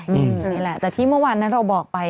นี่แหละแต่ที่เมื่อวานนั้นเราบอกไป